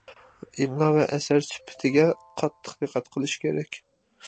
ئىملا ۋە ئەسەر سۈپىتىگە قاتتىق دىققەت قىلىش كېرەك.